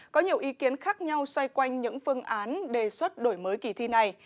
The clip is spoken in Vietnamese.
có nhiều ý kiến khác nhau xoay quanh những phương án đề xuất đổi mới kỳ thi này